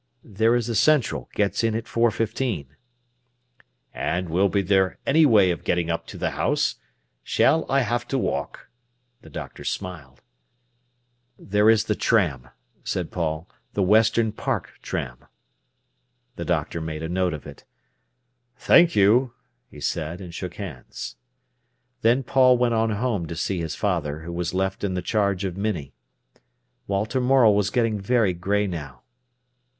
"There is a Central gets in at four fifteen." "And will there be any way of getting up to the house? Shall I have to walk?" The doctor smiled. "There is the tram," said Paul; "the Western Park tram." The doctor made a note of it. "Thank you!" he said, and shook hands. Then Paul went on home to see his father, who was left in the charge of Minnie. Walter Morel was getting very grey now.